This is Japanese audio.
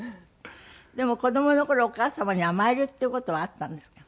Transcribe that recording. でも子供の頃お母様に甘えるっていう事はあったんですか？